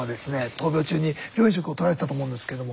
闘病中に病院食をとられてたと思うんですけども。